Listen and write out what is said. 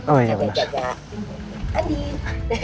oh iya bener